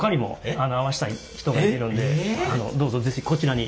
どうぞ是非こちらに。